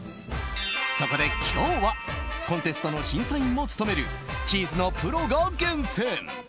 そこで、今日はコンテストの審査員も務めるチーズのプロが厳選。